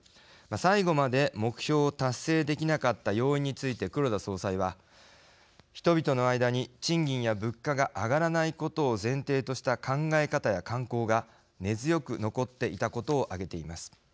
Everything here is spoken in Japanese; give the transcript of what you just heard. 最後まで目標を達成できなかった要因について黒田総裁は人々の間に賃金や物価が上がらないことを前提とした考え方や慣行が根強く残っていたことを挙げています。